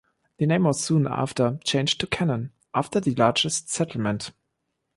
The name was soon after changed to Cannon, after the largest settlement.